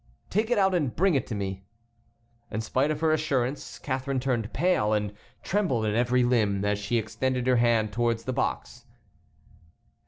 "Take it out and bring it to me." In spite of her assurance Catharine turned pale, and trembled in every limb, as she extended her hand towards the box.